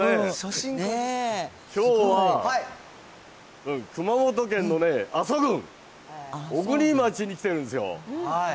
きょうは熊本県のね、阿蘇郡小国町に来てるんですよ。